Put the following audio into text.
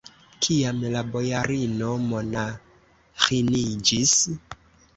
Kiam la bojarino monaĥiniĝis?